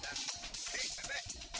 dan ini bebek